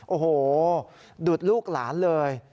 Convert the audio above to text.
โอ้โหดุดลูกหลานเลย